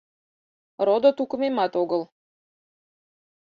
Родо-тукымемат огыл.